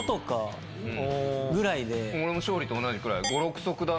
俺も勝利と同じくらい。